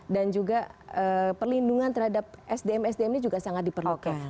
dan juga perlindungan terhadap sdm sdm ini juga sangat diperlukan